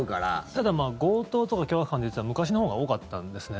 ただ、強盗とか凶悪犯って実は昔のほうが多かったんです。